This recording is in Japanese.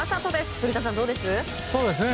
古田さん、どうです？